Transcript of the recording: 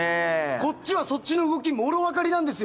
こっちはそっちの動きもろ分かりなんですよ。